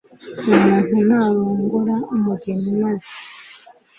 umuntu narongora umugeni maze